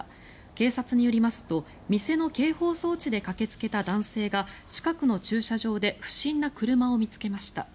警察によりますと店の警報装置で駆けつけた男性が近くの駐車場で不審な車を見つけました。